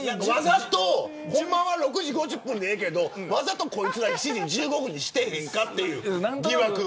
ほんまは６時５０分でいいけどわざと、こいつら７時１５分にしてへんかという疑惑。